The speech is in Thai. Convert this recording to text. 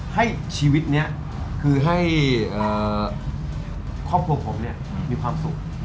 ให้ชีวิตนี้คือให้ครอบครัวผมเนี่ยมีความสุข